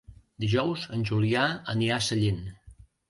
Dijous en Julià anirà a Sallent.